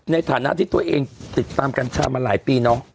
ในฐานะที่ตัวเองติดตามกัญชามาหลายปีเนาะ